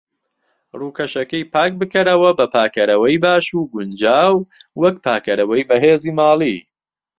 ڕوکەشەکەی پاک بکەرەوە بە پاکەرەوەی باش و گونجاو، وەک پاکەرەوەی بەهێزی ماڵی.